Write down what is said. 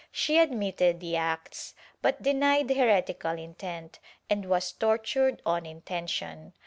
She admitted the acts but denied heretical intent and was tortured on intention.